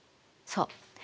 そう。